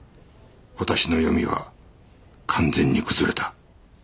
私の読みは完全に崩れた